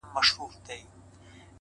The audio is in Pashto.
سیاه پوسي ده; رنگونه نسته;